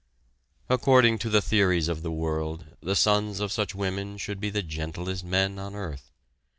According to the theories of the world, the sons of such women should be the gentlest men on earth.